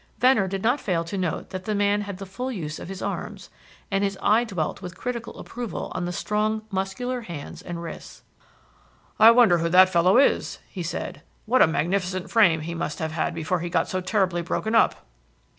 Venner did not fail to note that the man had the full use of his arms, and his eye dwelt with critical approval on the strong, muscular hands and wrists. "I wonder who that fellow is?" he said. "What a magnificent frame his must have been before he got so terribly broken up."